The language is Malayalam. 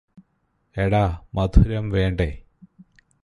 എടാ മധുരം വേണ്ടേ?